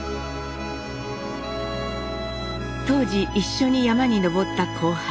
当時一緒に山に登った後輩